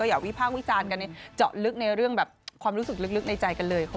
หรือวิภาควิจารณ์กันเจาะลึกในเรื่องความรู้สึกลึกในใจกันเลย